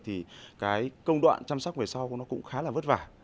thì cái công đoạn chăm sóc về sau nó cũng khá là vất vả